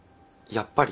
やっぱり？